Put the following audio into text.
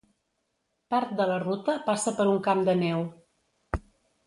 Part de la ruta passa per un camp de neu.